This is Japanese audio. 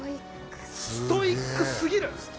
ストイックすぎる。